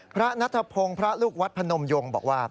พระนัทพงศ์พระลูกวัดพนมยงบอกว่า